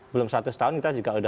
belum seratus tahun kita juga sudah